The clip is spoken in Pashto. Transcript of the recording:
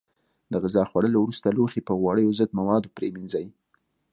د غذا خوړلو وروسته لوښي په غوړیو ضد موادو پرېمنځئ.